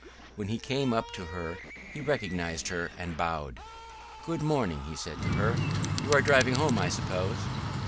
When he came up to her he recognized her and bowed. "Good morning," he said to her. "You are driving home, I suppose."